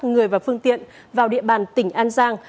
người và phương tiện vào địa bàn tỉnh an giang